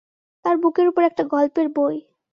তার বুকের ওপর একটা গল্পের বই।